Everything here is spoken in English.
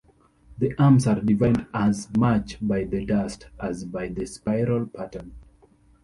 The arms are defined as much by the dust as by the spiral pattern.